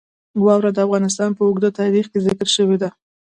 واوره د افغانستان په اوږده تاریخ کې ذکر شوې ده.